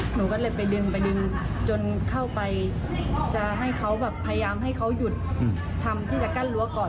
หนูก็เลยไปดึงไปดึงจนเข้าไปจะให้เขาแบบพยายามให้เขาหยุดทำที่จะกั้นรั้วก่อน